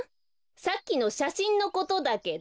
さっきのしゃしんのことだけど。